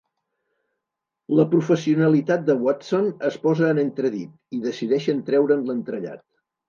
La professionalitat de Watson es posa en entredit, i decideixen treure'n l'entrellat.